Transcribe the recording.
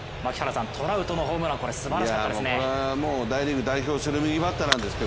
トラウトのホームラン、すばらしかったですね。